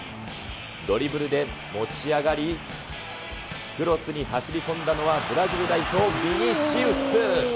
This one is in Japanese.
ドリブルで持ち上がり、クロスに走り込んだのは、ブラジル代表、ビニシウス。